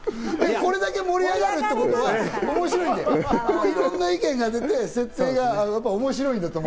これだけ盛り上がるってことはね、いろんな意見が出て、設定が面白いんだと思う。